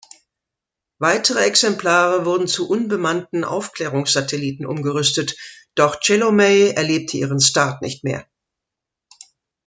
Weitere Exemplare wurden zu unbemannten Aufklärungssatelliten umgerüstet, doch Tschelomei erlebte ihren Start nicht mehr.